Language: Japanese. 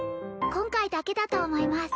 今回だけだと思います